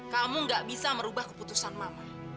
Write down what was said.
kamu gak bisa merubah keputusan mama